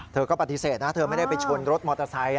เธอก็ปฏิเสธนะเธอไม่ได้ไปชนรถมอเตอร์ไซค์